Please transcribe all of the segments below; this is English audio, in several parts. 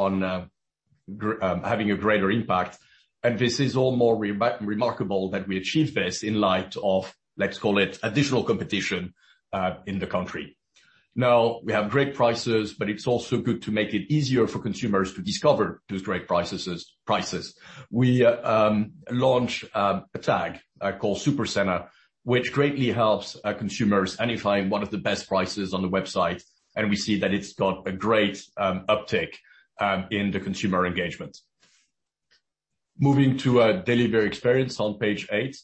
On having a greater impact. This is all more remarkable that we achieved this in light of, let's call it additional competition in the country. We have great prices, but it's also good to make it easier for consumers to discover those great prices. We launch a tag called Supercena, which greatly helps consumers identify one of the best prices on the website, and we see that it's got a great uptick in the consumer engagement. Moving to delivery experience on page eight.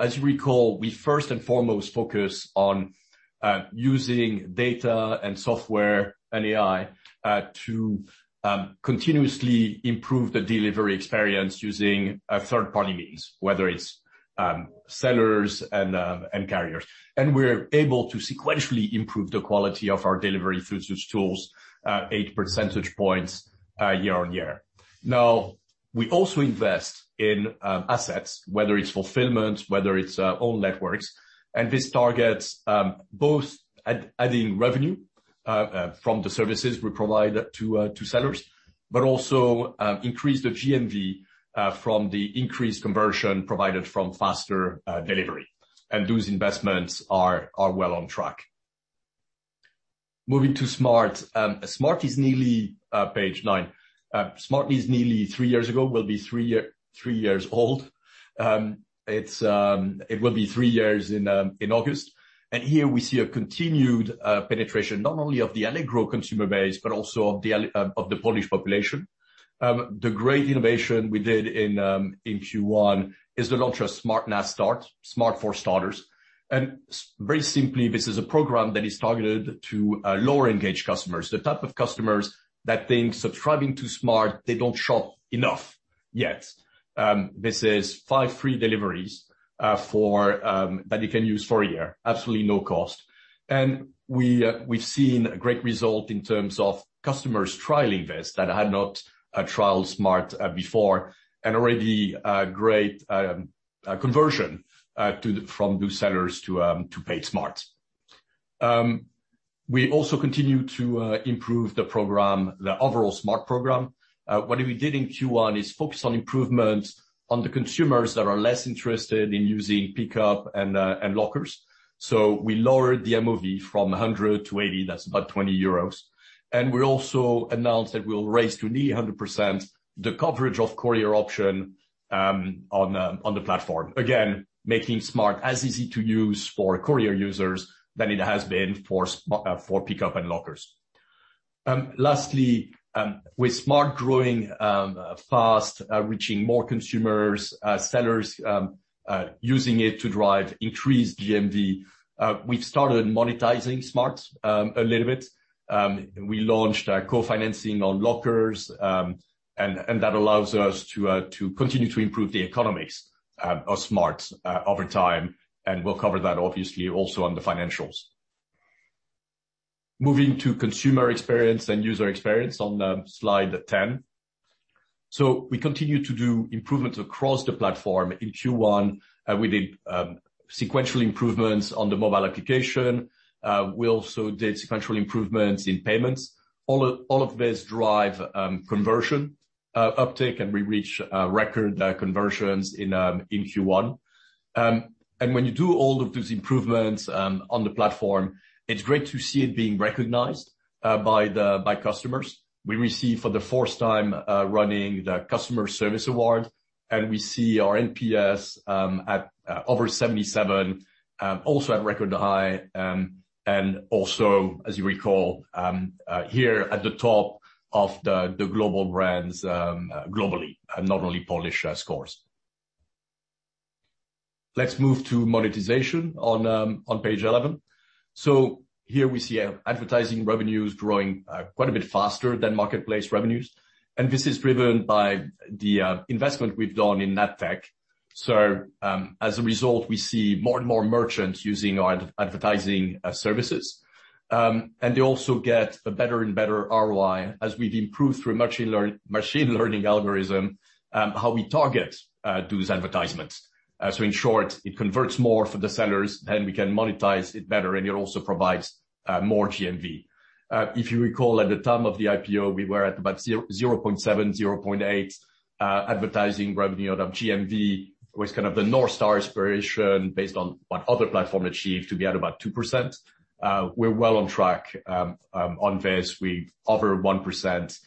As you recall, we first and foremost focus on using data and software and AI to continuously improve the delivery experience using third-party means, whether it's sellers and carriers. We're able to sequentially improve the quality of our delivery through those tools, 8 percentage points year-on-year. We also invest in assets, whether it's fulfillment, whether it's own networks. This targets both adding revenue from the services we provide to sellers, but also increase the GMV from the increased conversion provided from faster delivery. Those investments are well on track. Moving to Smart! Page nine. Smart! is nearly three years ago, will be three years old. It will be three years in August. Here we see a continued penetration, not only of the Allegro consumer base, but also of the Polish population. The great innovation we did in Q1 is the launch of Smart! na Start, Smart for Starters. Very simply, this is a program that is targeted to lower-engaged customers, the type of customers that think subscribing to Smart!, they don't shop enough yet. This is five free deliveries that you can use for a year, absolutely no cost. We've seen a great result in terms of customers trialing this that had not trialed Smart! before, and already a great conversion from those sellers to paid Smart!. We also continue to improve the program, the overall Smart! program. What we did in Q1 is focus on improvements on the consumers that are less interested in using pickup and lockers. We lowered the MOV from 100 to 80, that's about 20 euros. We also announced that we'll raise to nearly 100% the coverage of courier option on the platform. Again, making Smart! as easy to use for courier users than it has been for pickup and lockers. Lastly, with Smart! growing fast, reaching more consumers, sellers using it to drive increased GMV, we've started monetizing Smart! a little bit. We launched co-financing on lockers, that allows us to continue to improve the economics of Smart! over time. We'll cover that obviously also on the financials. Moving to consumer experience and user experience on Slide 10. We continue to do improvements across the platform. In Q1, we did sequential improvements on the mobile application. We also did sequential improvements in payments. All of these drive conversion uptake, we reach record conversions in Q1. When you do all of those improvements on the platform, it's great to see it being recognized by customers. We receive for the fourth time running the Customer Service Award, we see our NPS at over 77, also at record high. Also, as you recall, here at the top of the global brands globally, not only Polish scores. Let's move to monetization on page 11. Here we see advertising revenues growing quite a bit faster than marketplace revenues. This is driven by the investment we've done in ad tech. As a result, we see more and more merchants using our advertising services. They also get a better and better ROI as we've improved through machine learning algorithm, how we target those advertisements. In short, it converts more for the sellers, then we can monetize it better, and it also provides more GMV. If you recall, at the time of the IPO, we were at about 0.7, 0.8 advertising revenue of GMV, was kind of the North Star aspiration based on what other platform achieved to be at about 2%. We're well on track on this. We offer 1%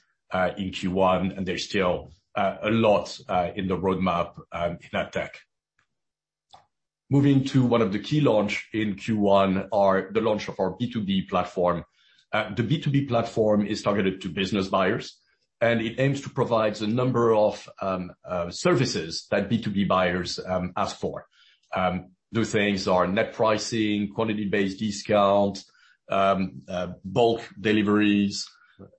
in Q1, there's still a lot in the roadmap in ad tech. Moving to one of the key launch in Q1, are the launch of our B2B platform. The B2B platform is targeted to business buyers, and it aims to provide a number of services that B2B buyers ask for. Those things are net pricing, quantity-based discount, bulk deliveries.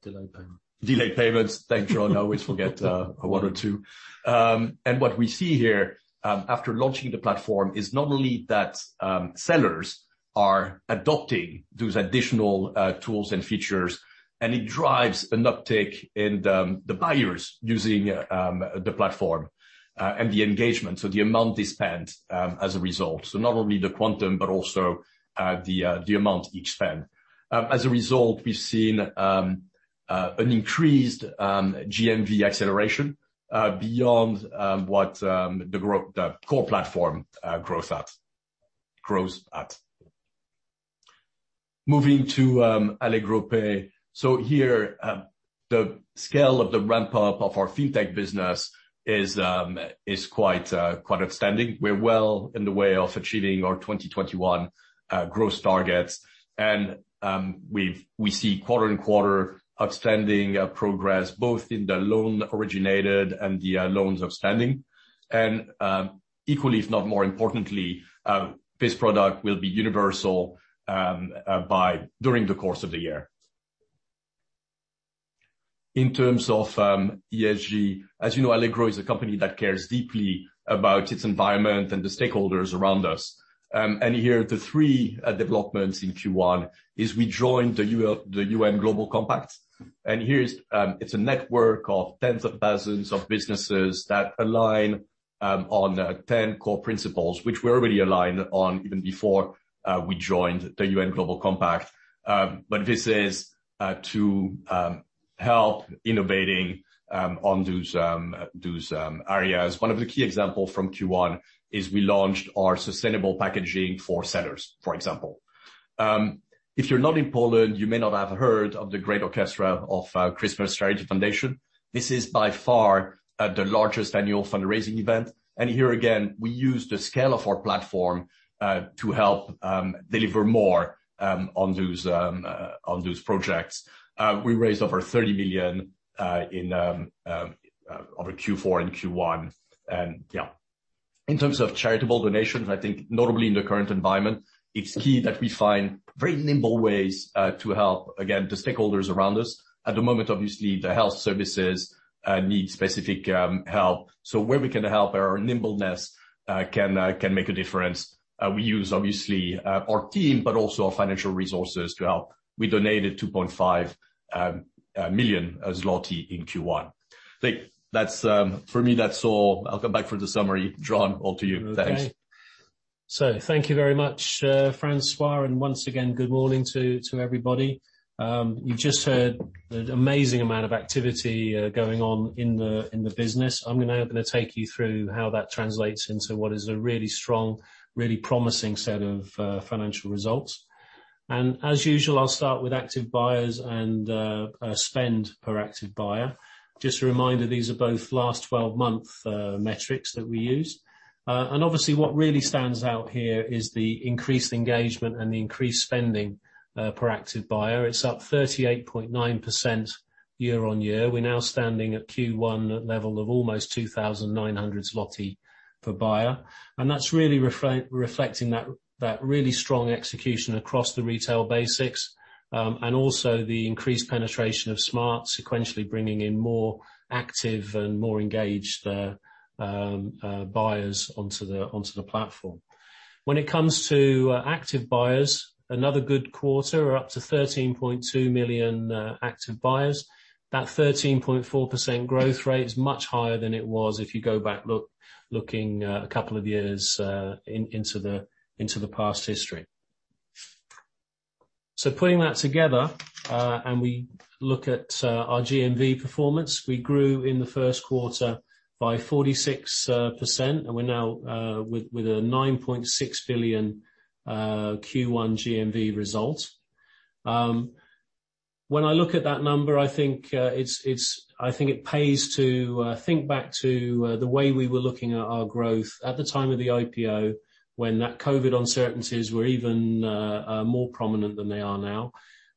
Delayed payment. Delayed payments. Thank you, I always forget one or two. What we see here after launching the platform is not only that sellers are adopting those additional tools and features, and it drives an uptake in the buyers using the platform and the engagement. The amount they spend as a result. Not only the quantum, but also the amount each spend. As a result, we've seen an increased GMV acceleration beyond what the core platform grows at. Moving to Allegro Pay. Here, the scale of the ramp-up of our fintech business is quite outstanding. We're well in the way of achieving our 2021 growth targets, and we see quarter on quarter outstanding progress, both in the loan originated and the loans outstanding. Equally, if not more importantly, this product will be universal during the course of the year. In terms of ESG, as you know, Allegro is a company that cares deeply about its environment and the stakeholders around us. Here, the three developments in Q1, is we joined the UN Global Compact. It's a network of tens of thousands of businesses that align on 10 core principles, which we're already aligned on even before we joined the UN Global Compact. This is to help innovating on those areas. One of the key example from Q1 is we launched our sustainable packaging for sellers, for example. If you're not in Poland, you may not have heard of the Great Orchestra of Christmas Charity Foundation. This is by far the largest annual fundraising event. Here again, we use the scale of our platform to help deliver more on those projects. We raised over 30 million over Q4 and Q1. Yeah, in terms of charitable donations, I think notably in the current environment, it's key that we find very nimble ways to help, again, the stakeholders around us. At the moment, obviously, the health services need specific help. Where we can help, our nimbleness can make a difference. We use, obviously, our team, but also our financial resources to help. We donated 2.5 million zloty in Q1. I think for me, that's all. I'll come back for the summary. Jon, all to you. Thanks. Okay. Thank you very much, François, and once again, good morning to everybody. You just heard the amazing amount of activity going on in the business. I'm now going to take you through how that translates into what is a really strong, really promising set of financial results. As usual, I'll start with active buyers and spend per active buyer. Just a reminder, these are both last 12-month metrics that we use. Obviously, what really stands out here is the increased engagement and the increased spending per active buyer. It's up 38.9% year-on-year. We're now standing at Q1 level of almost 2,900 zloty per buyer. That's really reflecting that really strong execution across the retail basics, also the increased penetration of Smart! sequentially bringing in more active and more engaged buyers onto the platform. When it comes to active buyers, another good quarter. We're up to 13.2 million active buyers. That 13.4% growth rate is much higher than it was if you go back looking a couple of years into the past history. Putting that together, and we look at our GMV performance, we grew in the first quarter by 46%, and we're now with a 9.6 billion Q1 GMV result. When I look at that number, I think it pays to think back to the way we were looking at our growth at the time of the IPO, when that COVID uncertainties were even more prominent than they are now.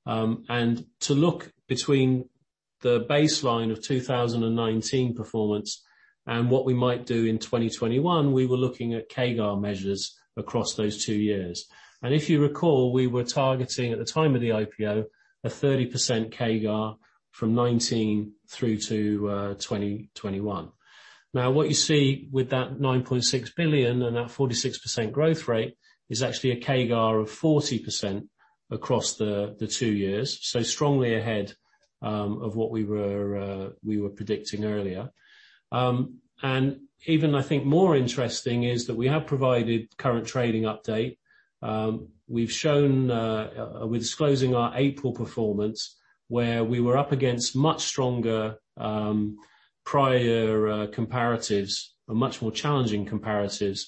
To look between the baseline of 2019 performance and what we might do in 2021, we were looking at CAGR measures across those two years. If you recall, we were targeting, at the time of the IPO, a 30% CAGR from 2019 through to 2021. What you see with that 9.6 billion and that 46% growth rate is actually a CAGR of 40% across the two years, strongly ahead of what we were predicting earlier. Even, I think, more interesting is that we have provided current trading update. We're disclosing our April performance, where we were up against much stronger prior comparatives or much more challenging comparatives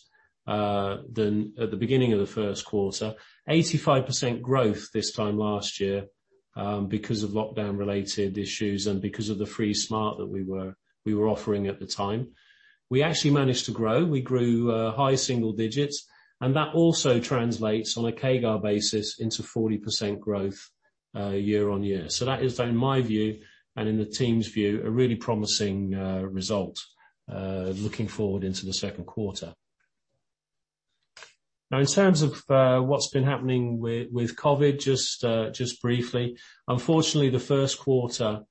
than at the beginning of the first quarter, 85% growth this time last year, because of lockdown-related issues and because of the free Smart! that we were offering at the time. We actually managed to grow. We grew high-single-digits, that also translates, on a CAGR basis, into 40% growth year-on-year. That is, in my view, and in the team's view, a really promising result looking forward into the second quarter. In terms of what's been happening with COVID, just briefly, unfortunately, the first quarter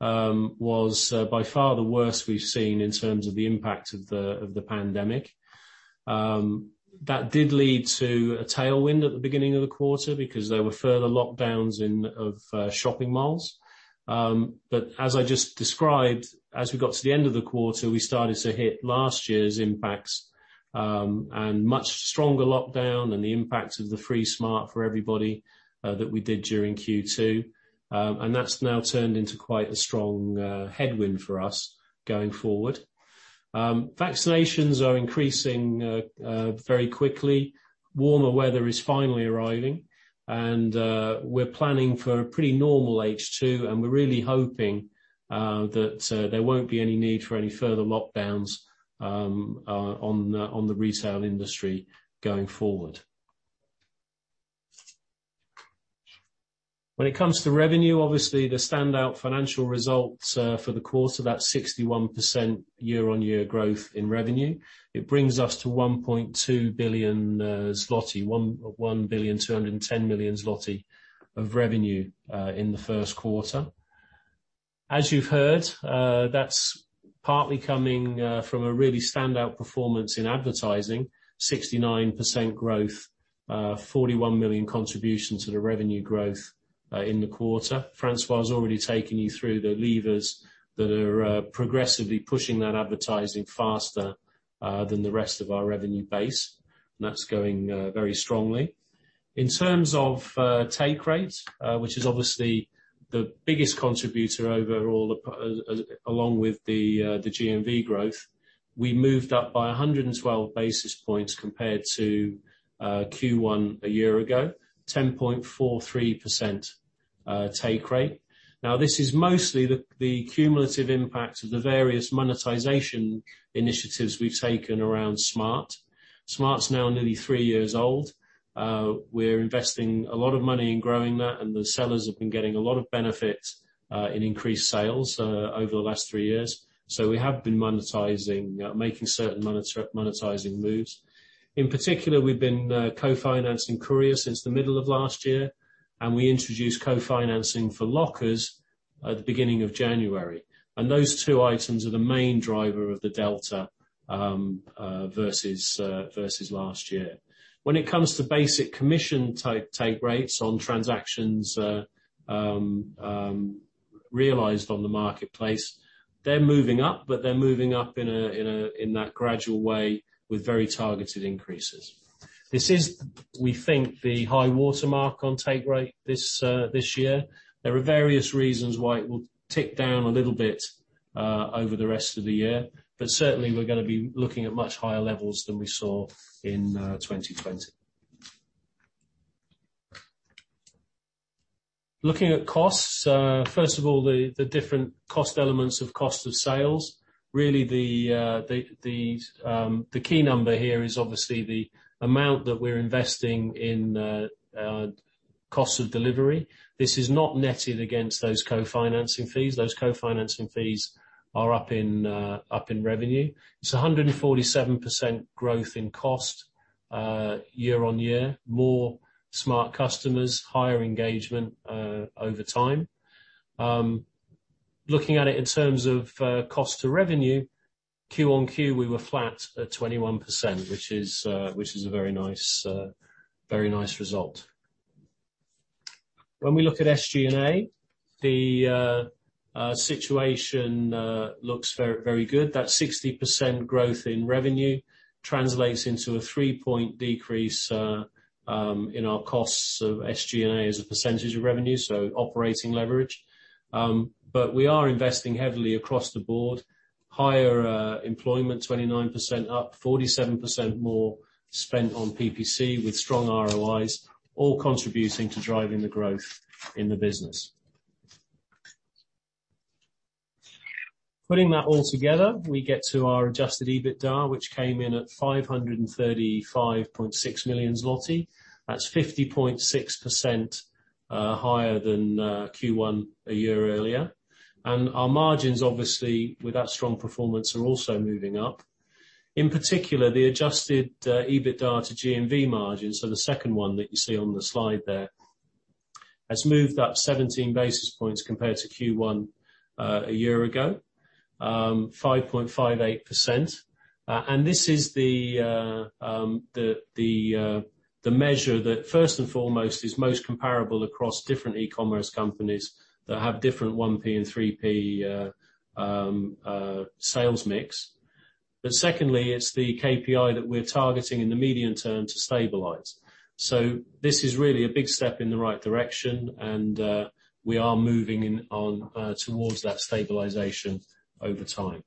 was by far the worst we've seen in terms of the impact of the pandemic. That did lead to a tailwind at the beginning of the quarter because there were further lockdowns of shopping malls. As I just described, as we got to the end of the quarter, we started to hit last year's impacts, and much stronger lockdown, and the impact of the free Smart for everybody that we did during Q2. That's now turned into quite a strong headwind for us going forward. Vaccinations are increasing very quickly. Warmer weather is finally arriving, and we're planning for a pretty normal H2, and we're really hoping that there won't be any need for any further lockdowns on the retail industry going forward. When it comes to revenue, obviously, the standout financial results for the quarter, that 61% year-on-year growth in revenue. It brings us to 1.2 billion-1 billion zloty 210 million of revenue in the first quarter. As you've heard, that's partly coming from a really standout performance in advertising, 69% growth, 41 million contribution to the revenue growth in the quarter. François has already taken you through the levers that are progressively pushing that advertising faster than the rest of our revenue base. That's going very strongly. In terms of take rates, which is obviously the biggest contributor overall, along with the GMV growth, we moved up by 112 basis points compared to Q1 a year ago, 10.43% take rate. This is mostly the cumulative impact of the various monetization initiatives we've taken around Smart!. Smart!'s now nearly three years old. We're investing a lot of money in growing that, and the sellers have been getting a lot of benefit in increased sales over the last three years. We have been making certain monetizing moves. In particular, we've been co-financing courier since the middle of last year, and we introduced co-financing for lockers at the beginning of January. Those two items are the main driver of the delta versus last year. When it comes to basic commission type take rates on transactions realized on the marketplace, they're moving up, but they're moving up in that gradual way with very targeted increases. This is, we think, the high watermark on take rate this year. There are various reasons why it will tick down a little bit over the rest of the year, but certainly, we're going to be looking at much higher levels than we saw in 2020. Looking at costs, first of all, the different cost elements of cost of sales. Really, the key number here is obviously the amount that we're investing in cost of delivery. This is not netted against those co-financing fees. Those co-financing fees are up in revenue. It's 147% growth in cost year-on-year. More Smart! customers, higher engagement over time. Looking at it in terms of cost to revenue, quarter-on-quarter, we were flat at 21%, which is a very nice result. When we look at SG&A, the situation looks very good. That 60% growth in revenue translates into a three-point decrease in our costs of SG&A as a percentage of revenue, so operating leverage. We are investing heavily across the board. Higher employment, 29% up, 47% more spent on PPC with strong ROIs, all contributing to driving the growth in the business. Putting that all together, we get to our adjusted EBITDA, which came in at 535.6 million zloty. That's 50.6% higher than Q1 a year earlier. Our margins, obviously, with that strong performance, are also moving up. In particular, the adjusted EBITDA to GMV margins, so the second one that you see on the slide there, has moved up 17 basis points compared to Q1 a year ago, 5.58%. This is the measure that first and foremost is most comparable across different e-commerce companies that have different 1P and 3P sales mix. Secondly, it's the KPI that we're targeting in the medium term to stabilize. This is really a big step in the right direction, and we are moving towards that stabilization over time.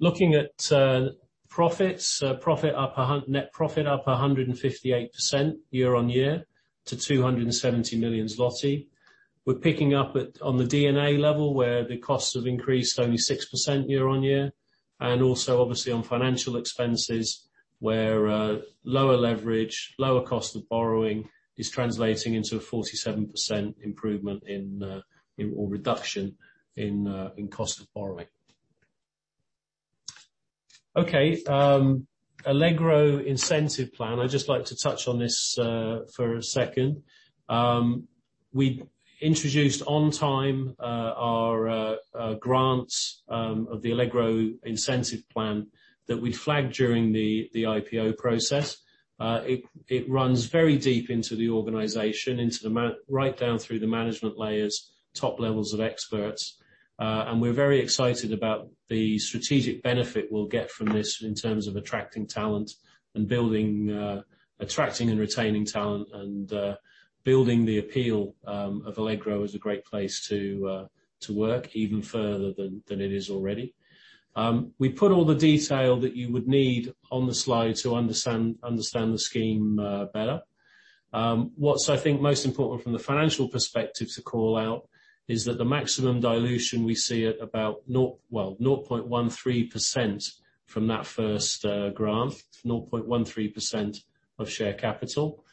Looking at profits, net profit up 158% year-on-year to 270 million zloty. We're picking up on the D&A level where the costs have increased only 6% year-on-year, and also obviously on financial expenses, where lower leverage, lower cost of borrowing is translating into a 47% improvement or reduction in cost of borrowing. Okay. Allegro Incentive Plan, I'd just like to touch on this for a second. We introduced on time our grants of the Allegro Incentive Plan that we flagged during the IPO process. It runs very deep into the organization, right down through the management layers, top levels of experts. We're very excited about the strategic benefit we'll get from this in terms of attracting and retaining talent and building the appeal of Allegro as a great place to work even further than it is already. We put all the detail that you would need on the slide to understand the scheme better. What's I think most important from the financial perspective to call out is that the maximum dilution we see at about, well, 0.13% from that first grant, 0.13% of share capital.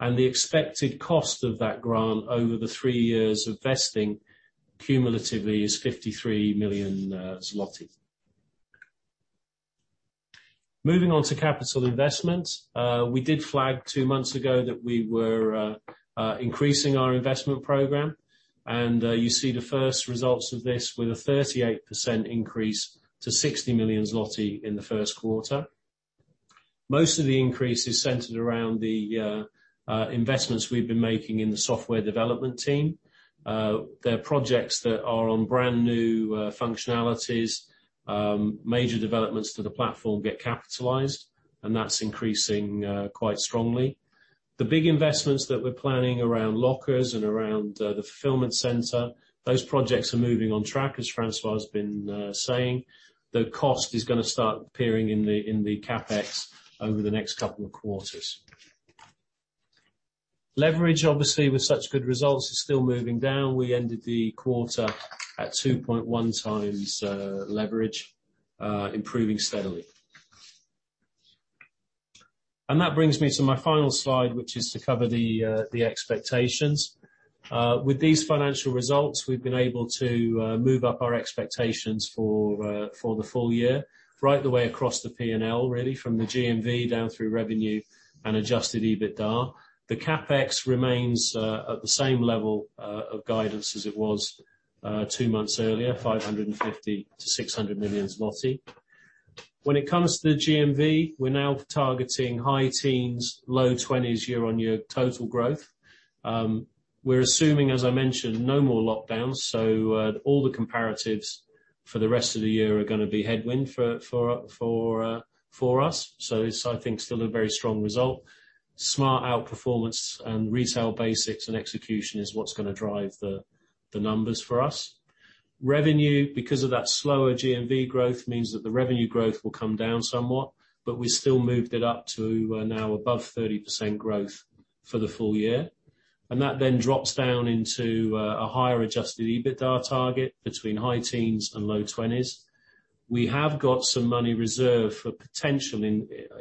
The expected cost of that grant over the three years of vesting cumulatively is PLN 53 million. Moving on to capital investment. We did flag two months ago that we were increasing our investment program, and you see the first results of this with a 38% increase to 60 million zloty in the first quarter. Most of the increase is centered around the investments we've been making in the software development team. They're projects that are on brand-new functionalities. Major developments to the platform get capitalized, that's increasing quite strongly. The big investments that we're planning around lockers and around the fulfillment center, those projects are moving on track, as François has been saying. The cost is going to start appearing in the CapEx over the next couple of quarters. Leverage, obviously, with such good results, is still moving down. We ended the quarter at 2.1x leverage, improving steadily. That brings me to my final slide, which is to cover the expectations. With these financial results, we've been able to move up our expectations for the full year, right the way across the P&L, really, from the GMV down through revenue and adjusted EBITDA. The CapEx remains at the same level of guidance as it was two months earlier, 550 million-600 million złoty. When it comes to the GMV, we're now targeting high-teens, low-20s year-on-year total growth. We're assuming, as I mentioned, no more lockdowns, so all the comparatives for the rest of the year are going to be headwind for us. It's, I think, still a very strong result. Smart! outperformance and retail basics and execution is what's going to drive the numbers for us. Revenue, because of that slower GMV growth, means that the revenue growth will come down somewhat, but we still moved it up to now above 30% growth for the full year. That then drops down into a higher adjusted EBITDA target between high-teens and low-20s. We have got some money reserved for potential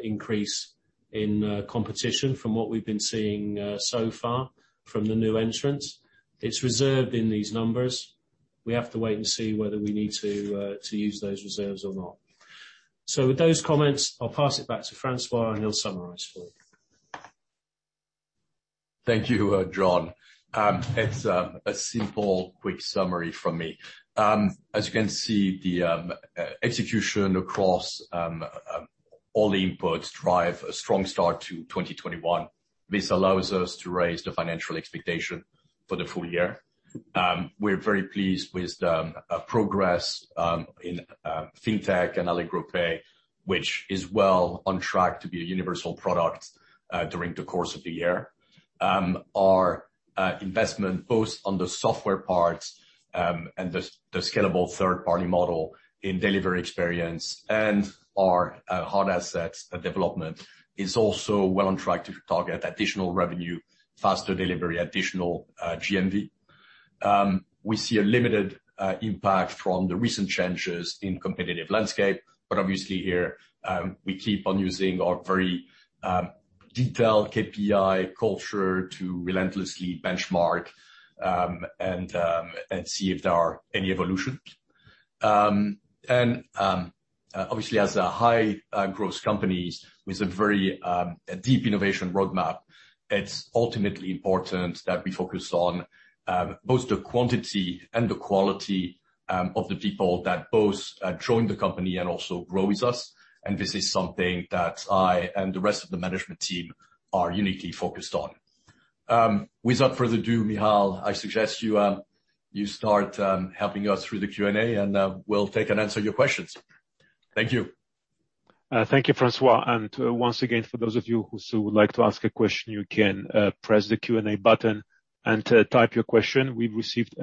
increase in competition from what we've been seeing so far from the new entrants. It's reserved in these numbers. We have to wait and see whether we need to use those reserves or not. With those comments, I'll pass it back to François, and he'll summarize for you. Thank you, Jon. It's a simple, quick summary from me. As you can see, the execution across all the inputs drive a strong start to 2021. This allows us to raise the financial expectation for the full year. We're very pleased with the progress in fintech and Allegro Pay, which is well on track to be a universal product during the course of the year. Our investment, both on the software parts and the scalable third-party model in delivery experience and our hard assets development, is also well on track to target additional revenue, faster delivery, additional GMV. We see a limited impact from the recent changes in competitive landscape. Obviously here, we keep on using our very detailed KPI culture to relentlessly benchmark and see if there are any evolutions. Obviously, as a high-growth company with a very deep innovation roadmap, it's ultimately important that we focus on both the quantity and the quality of the people that both join the company and also grow with us, and this is something that I and the rest of the management team are uniquely focused on. Without further ado, Michal, I suggest you start helping us through the Q&A, and we'll take and answer your questions. Thank you. Thank you, François. Once again, for those of you who still would like to ask a question, you can press the Q&A button and type your question. We've received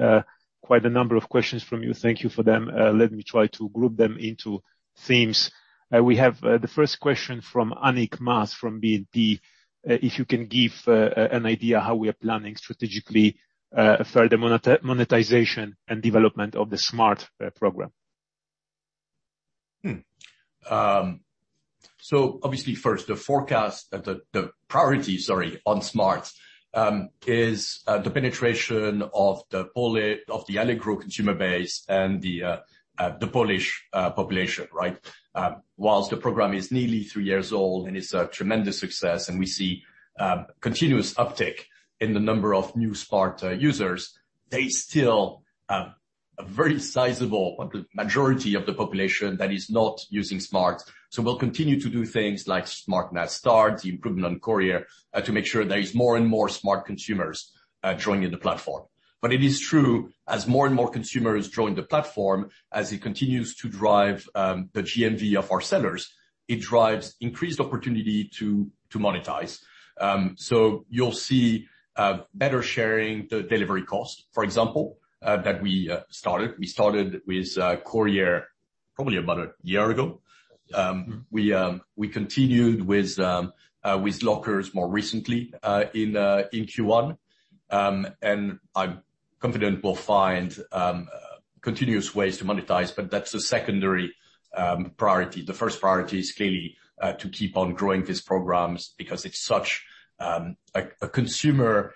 quite a number of questions from you. Thank you for them. Let me try to group them into themes. We have the first question from Anik Maas from BNP. If you can give an idea how we are planning strategically further monetization and development of the Smart program. Obviously first, the forecast, the priority, sorry, on Smart!, is the penetration of the Allegro consumer base and the Polish population. Whilst the program is nearly three years old and is a tremendous success, and we see continuous uptick in the number of new Smart! users, there is still a very sizable majority of the population that is not using Smart!. We'll continue to do things like Smart! na Start, the improvement on Courier, to make sure there is more and more Smart! consumers joining the platform. It is true, as more and more consumers join the platform, as it continues to drive the GMV of our sellers, it drives increased opportunity to monetize. You'll see better sharing the delivery cost, for example, that we started. We started with Courier probably about a year ago. We continued with lockers more recently in Q1. I'm confident we'll find continuous ways to monetize, but that's a secondary priority. The first priority is clearly to keep on growing these programs because it's such a consumer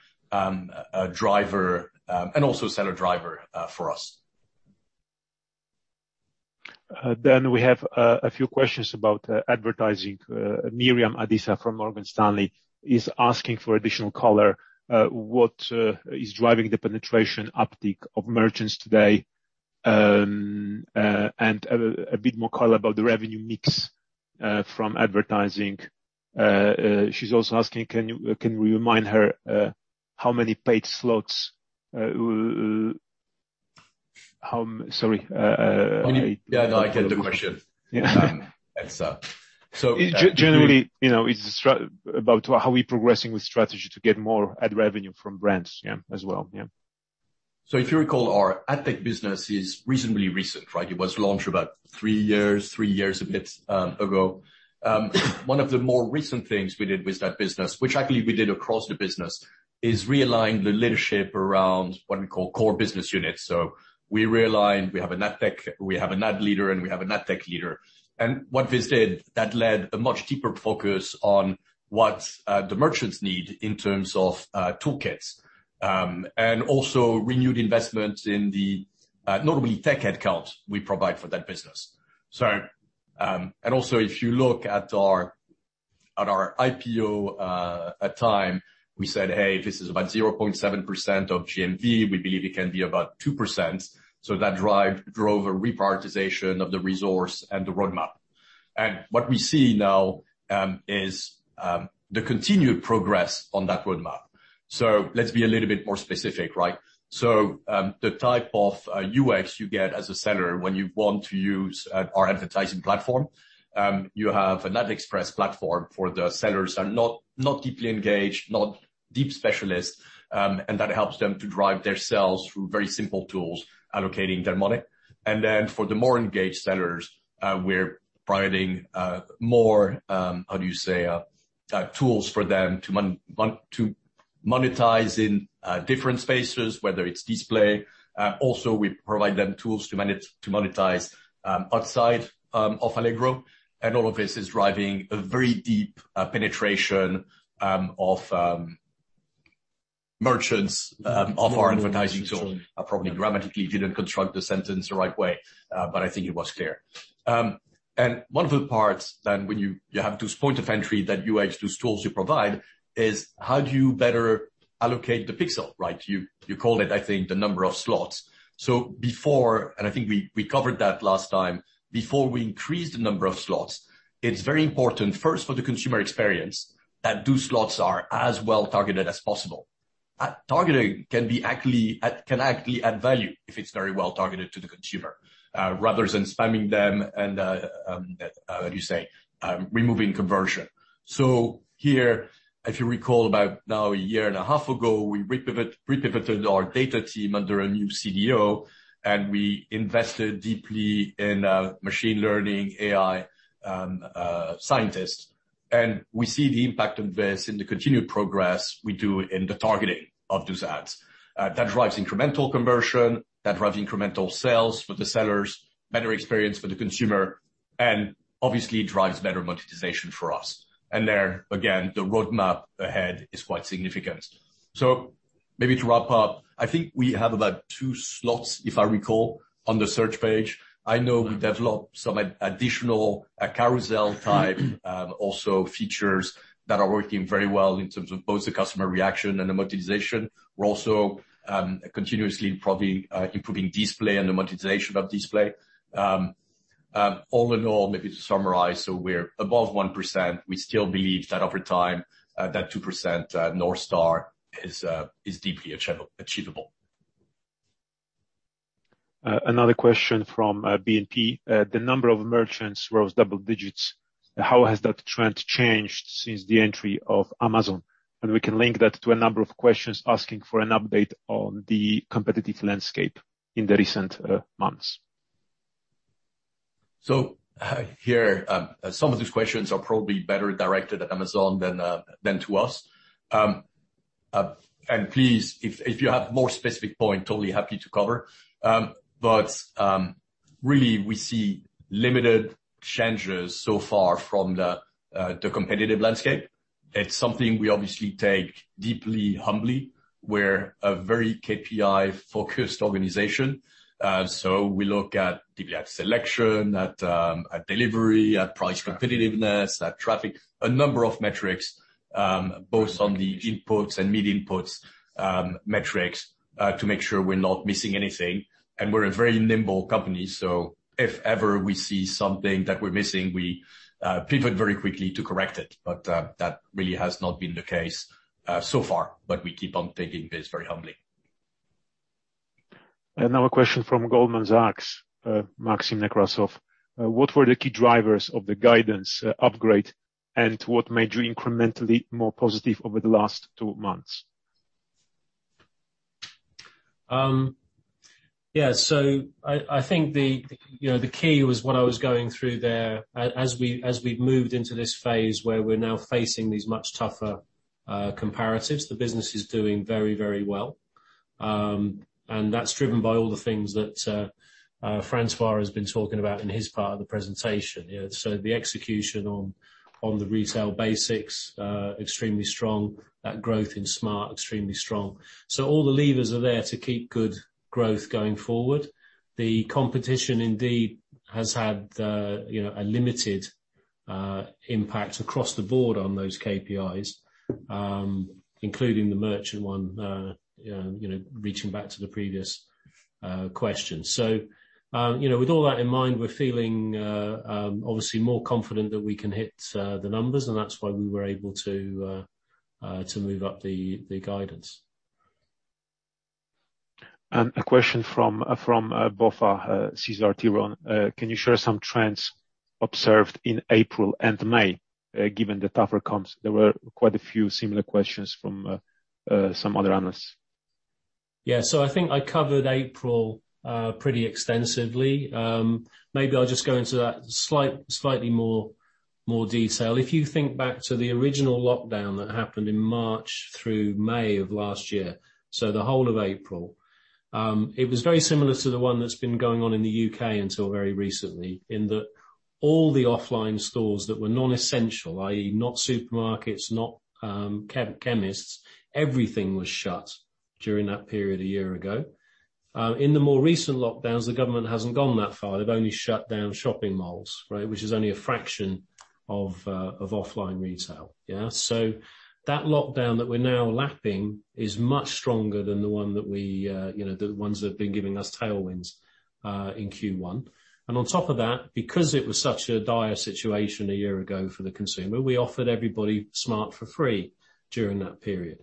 driver and also seller driver for us. We have a few questions about advertising. Miriam Adisa from Morgan Stanley is asking for additional color, what is driving the penetration uptick of merchants today, and a bit more color about the revenue mix from advertising. She's also asking, can you remind her how many paid slots. Yeah, no, I get the question. Yeah. And so- Generally, it's about how we're progressing with strategy to get more ad revenue from brands, yeah, as well. Yeah. If you recall, our ad tech business is reasonably recent. It was launched about three years a bit ago. One of the more recent things we did with that business, which actually we did across the business, is realigned the leadership around what we call core business units. We realigned, we have an ad tech, we have an ad leader, and we have an ad tech leader. What this did, that led a much deeper focus on what the merchants need in terms of toolkits, and also renewed investment in the notably tech head count we provide for that business. If you look at our IPO, at time, we said, "Hey, this is about 0.7% of GMV. We believe it can be about 2%." That drove a reprioritization of the resource and the roadmap. What we see now is the continued progress on that roadmap. Let's be a little bit more specific. The type of UX you get as a seller when you want to use our advertising platform, you have an Ads Express platform for the sellers that are not deeply engaged, not deep specialists, and that helps them to drive their sales through very simple tools, allocating their money. Then for the more engaged sellers, we're providing more, how do you say, tools for them to monetize in different spaces, whether it's display. Also, we provide them tools to monetize outside of Allegro. All of this is driving a very deep penetration of merchants of our advertising tool. I probably grammatically didn't construct the sentence the right way, but I think it was clear. One of the parts then when you have those point of entry, that UX, those tools you provide, is how do you better allocate the pixel? You call it, I think, the number of slots. Before, and I think we covered that last time, before we increase the number of slots, it's very important first for the consumer experience that those slots are as well targeted as possible. Targeting can actually add value if it's very well targeted to the consumer, rather than spamming them and, how do you say? Removing conversion. Here, if you recall about now a year and a half ago, we repivoted our data team under a new CDO, and we invested deeply in machine learning, AI scientists. We see the impact of this in the continued progress we do in the targeting of those ads. That drives incremental conversion, that drives incremental sales for the sellers, better experience for the consumer, and obviously drives better monetization for us. There, again, the roadmap ahead is quite significant. Maybe to wrap up, I think we have about 2 slots, if I recall, on the Search page. I know we developed some additional carousel type, also features that are working very well in terms of both the customer reaction and the monetization. We're also continuously improving display and the monetization of display. All in all, maybe to summarize, we're above 1%. We still believe that over time, that 2% North Star is deeply achievable. Another question from BNP. The number of merchants rose double digits. How has that trend changed since the entry of Amazon? We can link that to a number of questions asking for an update on the competitive landscape in the recent months. Here, some of these questions are probably better directed at Amazon than to us. Please, if you have more specific point, totally happy to cover. Really, we see limited changes so far from the competitive landscape. It's something we obviously take deeply humbly. We're a very KPI-focused organization, so we look at DVF selection, at delivery, at price competitiveness, at traffic, a number of metrics, both on the inputs and mid inputs metrics, to make sure we're not missing anything. We're a very nimble company, so if ever we see something that we're missing, we pivot very quickly to correct it. That really has not been the case so far. We keep on taking this very humbly. Another question from Goldman Sachs, Maxim Nekrasov. What were the key drivers of the guidance upgrade, and what made you incrementally more positive over the last two months? Yeah. I think the key was what I was going through there as we've moved into this phase where we're now facing these much tougher comparatives. The business is doing very well, and that's driven by all the things that François has been talking about in his part of the presentation. The execution on the retail basics extremely strong. That growth in Smart extremely strong. All the levers are there to keep good growth going forward. The competition indeed has had a limited impact across the board on those KPIs, including the merchant one, reaching back to the previous question. With all that in mind, we're feeling obviously more confident that we can hit the numbers, and that's why we were able to move up the guidance. A question from BofA, Cesar Tiron. Can you share some trends observed in April and May, given the tougher comps? There were quite a few similar questions from some other analysts. Yeah. I think I covered April pretty extensively. Maybe I'll just go into that slightly more detail. If you think back to the original lockdown that happened in March through May of last year, the whole of April, it was very similar to the one that's been going on in the U.K. until very recently, in that all the offline stores that were non-essential, i.e. not supermarkets, not chemists, everything was shut during that period a year ago. In the more recent lockdowns, the government hasn't gone that far. They've only shut down shopping malls, right? Which is only a fraction of offline retail. Yeah. That lockdown that we're now lapping is much stronger than the ones that have been giving us tailwinds in Q1. On top of that, because it was such a dire situation a year ago for the consumer, we offered everybody Smart for free during that period.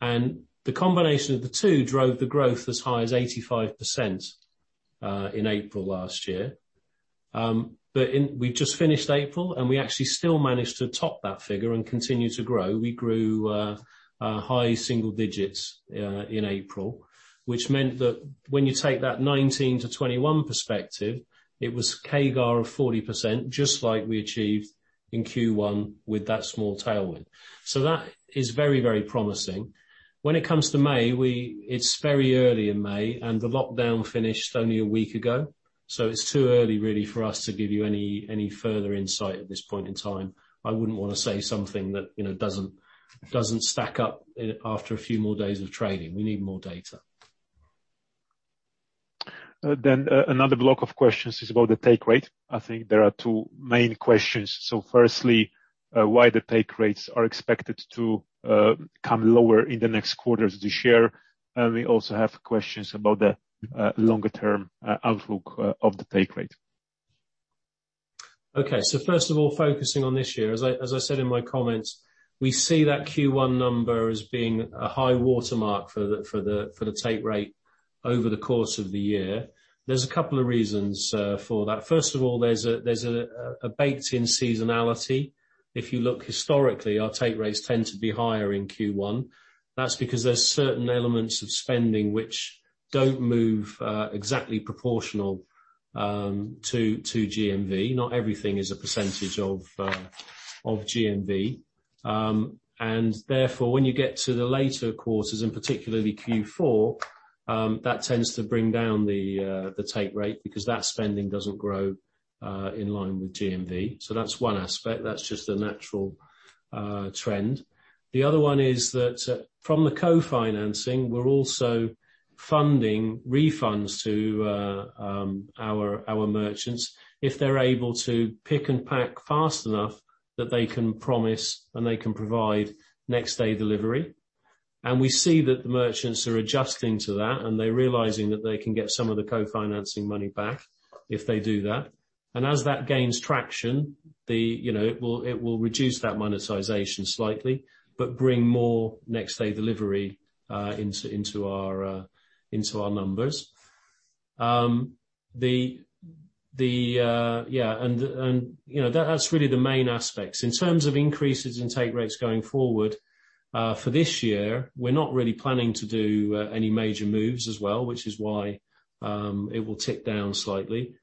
The combination of the two drove the growth as high as 85% in April last year. We just finished April, and we actually still managed to top that figure and continue to grow. We grew high single digits in April, which meant that when you take that 2019 to 2021 perspective, it was CAGR of 40%, just like we achieved in Q1 with that small tailwind. That is very promising. When it comes to May, it's very early in May, and the lockdown finished only one week ago, it's too early, really, for us to give you any further insight at this point in time. I wouldn't want to say something that doesn't stack up after a few more days of trading. We need more data. Another block of questions is about the take rate. I think there are two main questions. Firstly, why the take rates are expected to come lower in the next quarters this year. We also have questions about the longer-term outlook of the take rate. Okay. First of all, focusing on this year, as I said in my comments, we see that Q1 number as being a high watermark for the take rate over the course of the year. There's a couple of reasons for that. First of all, there's a baked in seasonality. If you look historically, our take rates tend to be higher in Q1. That's because there's certain elements of spending which don't move exactly proportional to GMV. Not everything is a percentage of GMV. Therefore, when you get to the later quarters, and particularly Q4, that tends to bring down the take rate because that spending doesn't grow in line with GMV. That's one aspect. That's just a natural trend. The other one is that from the co-financing, we're also funding refunds to our merchants if they're able to pick and pack fast enough that they can promise and they can provide next day delivery. We see that the merchants are adjusting to that, and they're realizing that they can get some of the co-financing money back if they do that. As that gains traction, it will reduce that monetization slightly but bring more next day delivery into our numbers. Yeah. That's really the main aspects. In terms of increases in take rates going forward for this year, we're not really planning to do any major moves as well, which is why it will tick down slightly.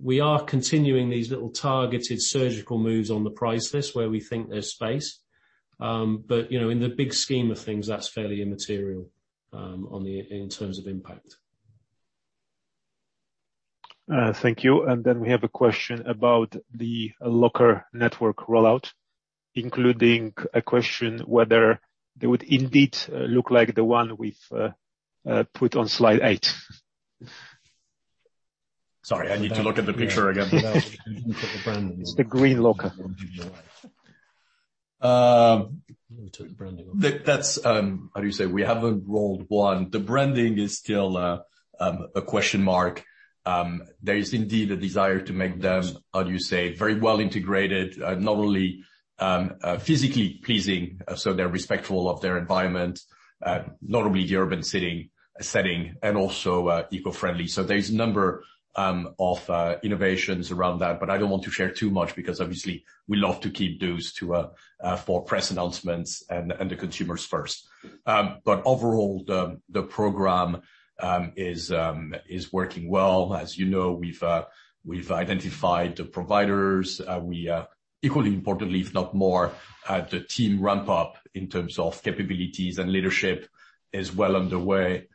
We are continuing these little targeted surgical moves on the price list where we think there's space. In the big scheme of things, that's fairly immaterial in terms of impact. Thank you. Then we have a question about the locker network rollout, including a question whether they would indeed look like the one we've put on slide eight. Sorry, I need to look at the picture again. The brand. The green locker. That's, how do you say? We have a rolled one. The branding is still a question mark. There is indeed a desire to make them, how do you say, very well integrated, not only physically pleasing, so they're respectful of their environment, not only the urban setting, also eco-friendly. There's a number of innovations around that. I don't want to share too much because obviously we love to keep those for press announcements and the consumers first. Overall, the program is working well. As you know, we've identified the providers. Equally importantly, if not more, the team ramp-up in terms of capabilities and leadership is well underway.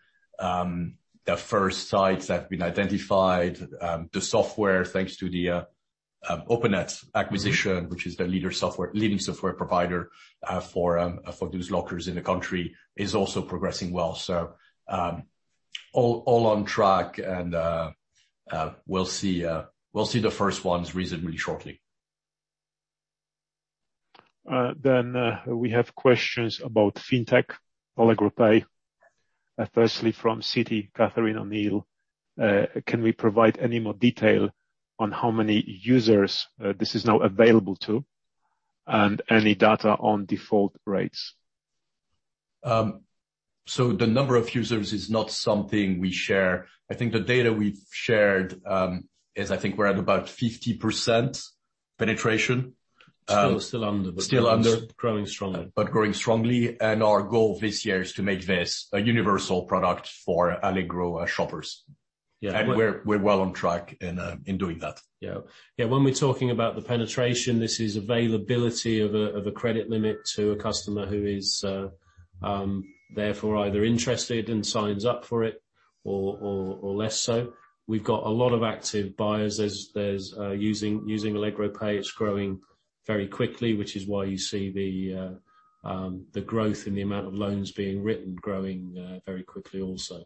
The first sites have been identified. The software, thanks to the OpenET acquisition, which is the leading software provider for those lockers in the country, is also progressing well. All on track and we'll see the first ones reasonably shortly. We have questions about fintech, Allegro Pay, firstly from Citi, Catherine O'Neill. Can we provide any more detail on how many users this is now available to and any data on default rates? The number of users is not something we share. I think the data we've shared is, I think, we're at about 50% penetration. Still under. Still under. Growing strongly. Growing strongly, and our goal this year is to make this a universal product for Allegro shoppers. Yeah. We're well on track in doing that. Yeah. When we're talking about the penetration, this is availability of a credit limit to a customer who is, therefore either interested and signs up for it or less so. We've got a lot of active buyers using Allegro Pay. It's growing very quickly, which is why you see the growth in the amount of loans being written growing very quickly also.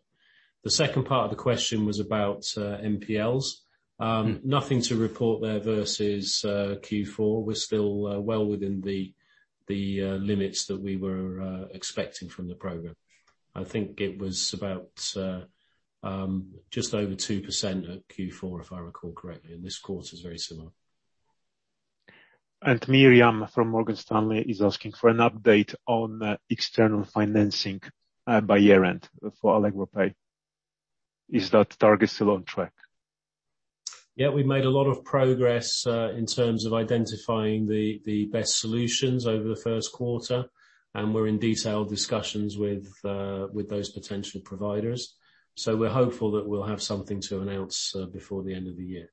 The second part of the question was about NPLs. Nothing to report there versus Q4. We're still well within the limits that we were expecting from the program. I think it was about just over 2% at Q4, if I recall correctly, and this quarter is very similar. Miriam from Morgan Stanley is asking for an update on external financing by year-end for Allegro Pay. Is that target still on track? Yeah, we made a lot of progress in terms of identifying the best solutions over the first quarter, and we're in detailed discussions with those potential providers. We're hopeful that we'll have something to announce before the end of the year.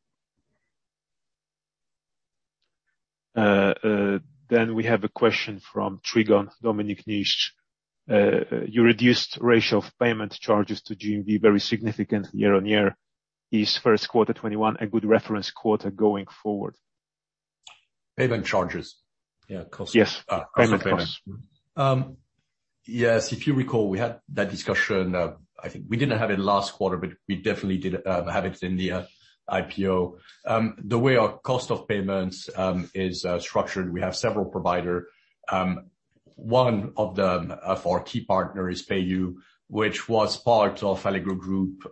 We have a question from Trigon, Dominik Niszcz. You reduced ratio of payment charges to GMV very significantly year-on-year. Is Q1 2021 a good reference quarter going forward? Payment charges? Yeah, cost. Yes. Payment charges. Yes. If you recall, we had that discussion, I think, we didn't have it last quarter, but we definitely did have it in the IPO. The way our cost of payments is structured, we have several provider. One of our key partner is PayU, which was part of Allegro Group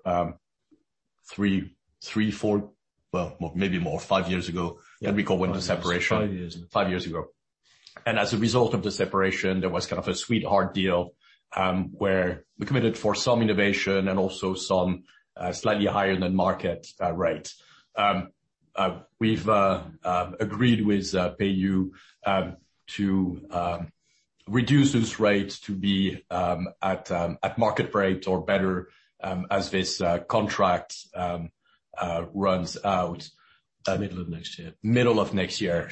three, four, well, maybe more, five years ago. We went to separation. Five years ago. Five years ago. As a result of the separation, there was kind of a sweetheart deal, where we committed for some innovation and also some slightly higher than market rate. We've agreed with PayU to reduce those rates to be at market rate or better as this contract runs out. Middle of next year. Middle of next year.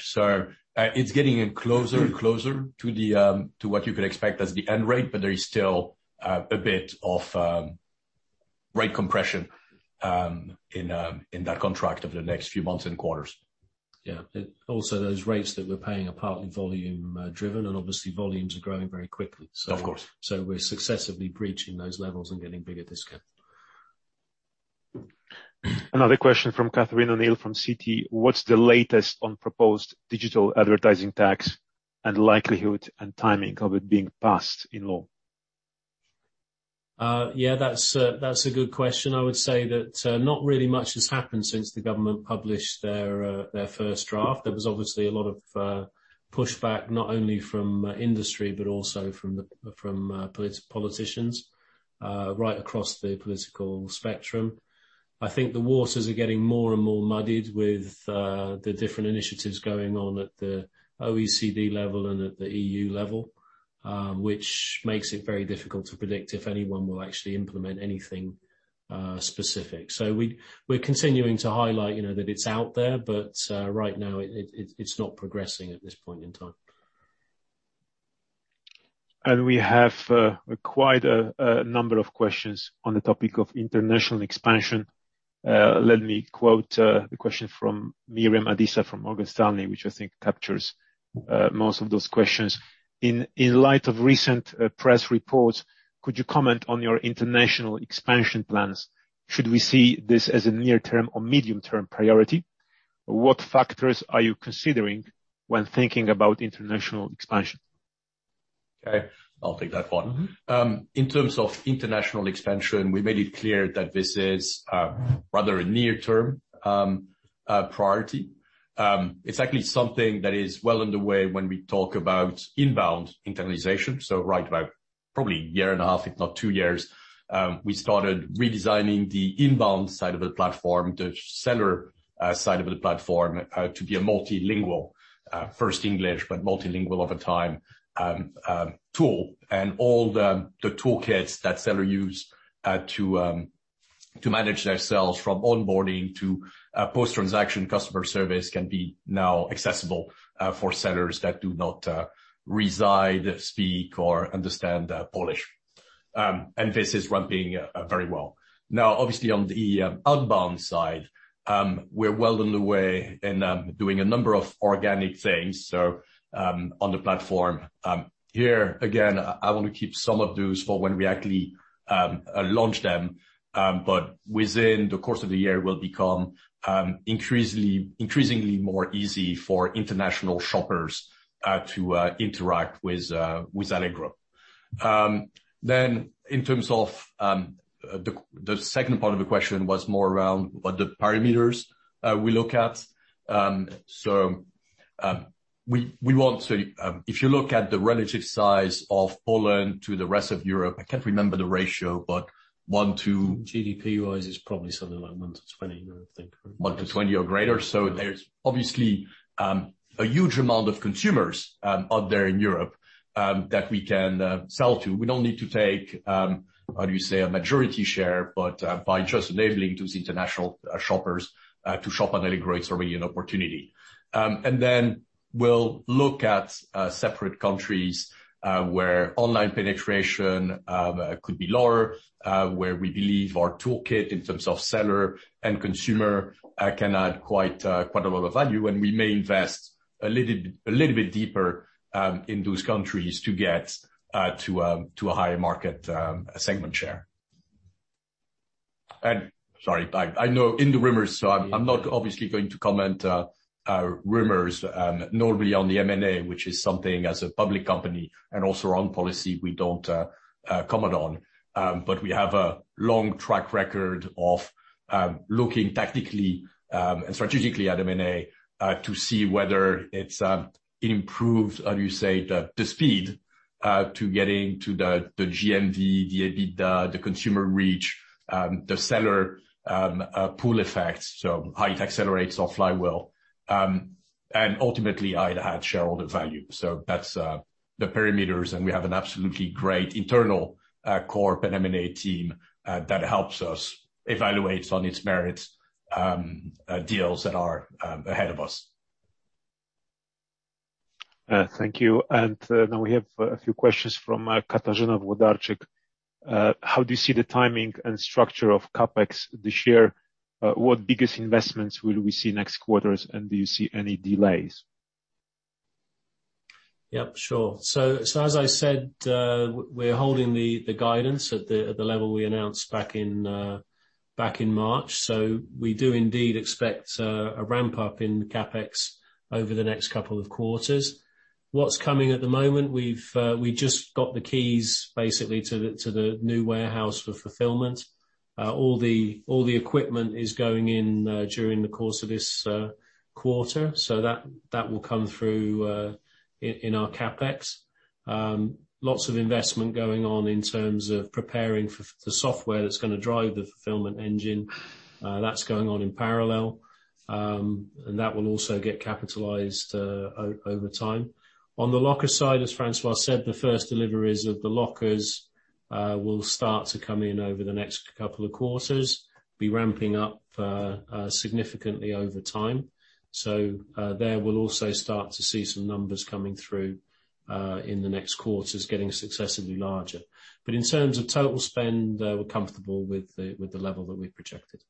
It's getting closer to what you could expect as the end rate, but there is still a bit of rate compression in that contract over the next few months and quarters. Yeah. Also, those rates that we're paying are partly volume driven, and obviously volumes are growing very quickly. Of course. We're successively breaching those levels and getting bigger discount. Another question from Catherine O'Neill from Citi. What's the latest on proposed digital advertising tax and likelihood and timing of it being passed in law? Yeah, that's a good question. I would say that not really much has happened since the government published their first draft. There was obviously a lot of pushback, not only from industry, but also from politicians right across the political spectrum. I think the waters are getting more and more muddied with the different initiatives going on at the OECD level and at the EU level, which makes it very difficult to predict if anyone will actually implement anything specific. We're continuing to highlight, that it's out there, but right now it's not progressing at this point in time. We have quite a number of questions on the topic of international expansion. Let me quote the question from Miriam Adisa from Morgan Stanley, which I think captures most of those questions. In light of recent press reports, could you comment on your international expansion plans? Should we see this as a near-term or medium-term priority? What factors are you considering when thinking about international expansion? Okay, I'll take that one. In terms of international expansion, we made it clear that this is rather a near-term priority. It's actually something that is well underway when we talk about inbound internationalization, so right about probably a year and a half, if not two years. We started redesigning the inbound side of the platform, the seller side of the platform to be a multilingual, first English, but multilingual over time tool. All the toolkits that sellers use to manage their sales from onboarding to post-transaction customer service can be now accessible for sellers that do not reside, speak, or understand Polish. This is ramping very well. Now, obviously on the outbound side, we're well on the way in doing a number of organic things, so on the platform. Here, again, I want to keep some of those for when we actually launch them. Within the course of the year, it will become increasingly more easy for international shoppers to interact with Allegro. In terms of the second part of the question was more around what the parameters we look at. If you look at the relative size of Poland to the rest of Europe, I can't remember the ratio, but one to- GDP-wise is probably something like one to 20, I would think. 1 to 20 or greater. There's obviously a huge amount of consumers out there in Europe that we can sell to. We don't need to take, how do you say, a majority share, but by just enabling those international shoppers to shop on Allegro is already an opportunity. We'll look at separate countries, where online penetration could be lower, where we believe our toolkit in terms of seller and consumer can add quite a lot of value. We may invest a little bit deeper in those countries to get to a higher market segment share. Sorry, I know in the rumors, I'm not obviously going to comment rumors, nor really on the M&A, which is something as a public company and also our own policy we don't comment on. We have a long track record of looking tactically and strategically at M&A to see whether it improves, how do you say, the speed to getting to the GMV, the EBITDA, the consumer reach, the seller pool effects, so how it accelerates or fly well. Ultimately, it adds shareholder value. That's the parameters, and we have an absolutely great internal corp and M&A team that helps us evaluate on its merits deals that are ahead of us. Thank you. Now we have a few questions from Katarzyna Włodarczyk. How do you see the timing and structure of CapEx this year? What biggest investments will we see next quarters, and do you see any delays? Yep, sure. As I said, we're holding the guidance at the level we announced back in March. We do indeed expect a ramp-up in CapEx over the next couple of quarters. What's coming at the moment, we've just got the keys basically to the new warehouse for fulfillment. All the equipment is going in during the course of this quarter, that will come through in our CapEx. Lots of investment going on in terms of preparing for the software that's gonna drive the fulfillment engine. That's going on in parallel, that will also get capitalized over time. On the locker side, as François said, the first deliveries of the lockers will start to come in over the next couple of quarters, be ramping up significantly over time. There, we'll also start to see some numbers coming through in the next quarters getting successively larger. In terms of total spend, we're comfortable with the level that we projected.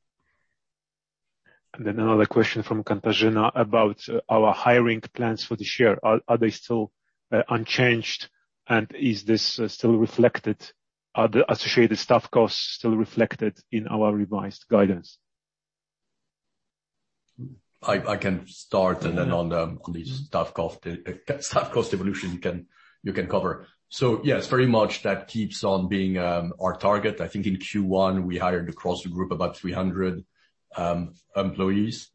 Another question from Katarzyna about our hiring plans for this year. Are they still unchanged, and are the associated staff costs still reflected in our revised guidance? I can start, and then on the staff cost evolution, you can cover. Yeah, it's very much that keeps on being our target. I think in Q1, we hired across the group about 300 employees.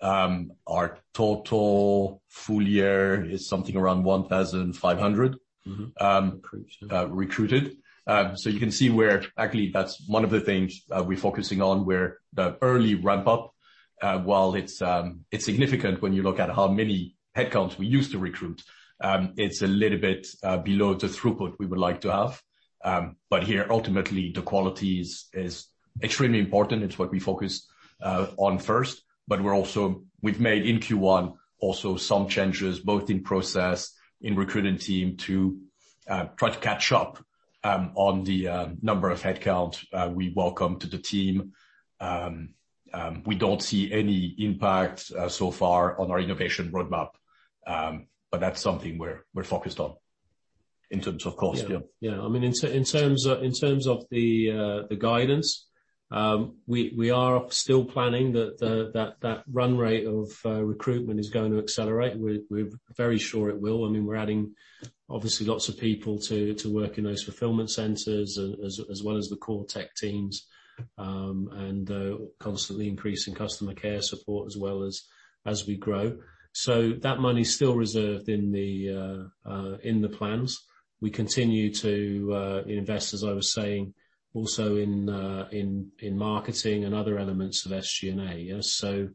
Our total full year is something around 1,500. Mm-hmm. Recruited. recruited. You can see where actually that's one of the things we're focusing on where the early ramp-up, while it's significant when you look at how many headcounts we used to recruit, it's a little bit below the throughput we would like to have. Here, ultimately, the quality is extremely important. It's what we focus on first, but we've made, in Q1, also some changes, both in process, in recruiting team, to try to catch up on the number of headcounts we welcome to the team. We don't see any impact so far on our innovation roadmap, but that's something we're focused on, in terms of cost. Yeah. Yeah. In terms of the guidance, we are still planning that that run rate of recruitment is going to accelerate. We're very sure it will. We're adding, obviously, lots of people to work in those fulfillment centers, as well as the core tech teams, and constantly increasing customer care support as well as we grow. That money's still reserved in the plans. We continue to invest, as I was saying, also in marketing and other elements of SG&A.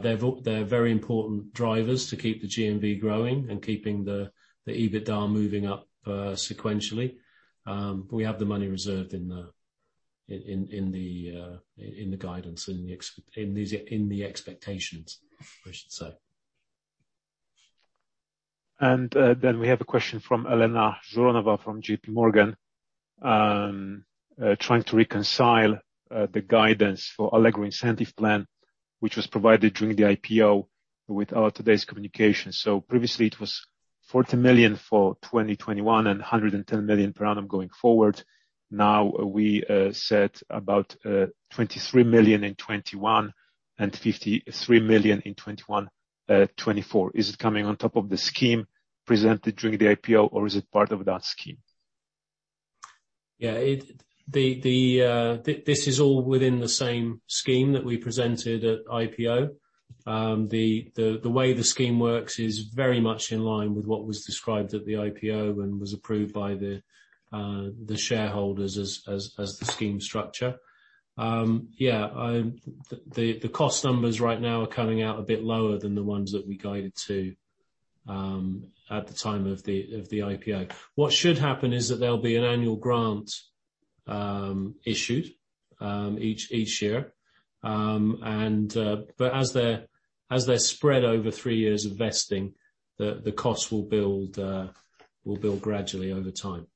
They're very important drivers to keep the GMV growing and keeping the EBITDA moving up sequentially. We have the money reserved in the guidance and in the expectations, I should say. We have a question from Elena Zhuravleva, from J.P. Morgan, trying to reconcile the guidance for Allegro Incentive Plan, which was provided during the IPO with our today's communication. Previously, it was 40 million for 2021 and 110 million per annum going forward. Now, we set about 23 million in 2021, and 53 million in 2024. Is it coming on top of the scheme presented during the IPO, or is it part of that scheme? Yeah. This is all within the same scheme that we presented at IPO. The way the scheme works is very much in line with what was described at the IPO and was approved by the shareholders as the scheme structure. The cost numbers right now are coming out a bit lower than the ones that we guided to at the time of the IPO. What should happen is that there'll be an annual grant issued each year. As they're spread over three years of vesting, the cost will build gradually over time.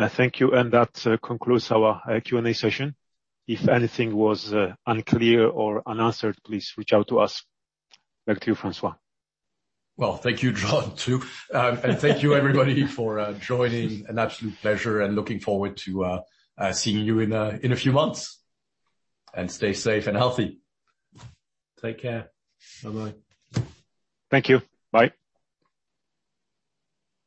Thank you that concludes our Q&A session. If anything was unclear or unanswered, please reach out to us. Back to you, François. Well, thank you Jon, too. Thank you, everybody, for joining. An absolute pleasure, and looking forward to seeing you in a few months. Stay safe and healthy. Take care. Bye-bye. Thank you. Bye.